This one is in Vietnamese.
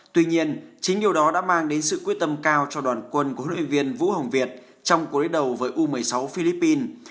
tuy nhiên chính điều đó đã mang đến sự quyết tâm cao cho đoàn quân của huấn luyện viên vũ hồng việt trong cuối đầu với u một mươi sáu philippines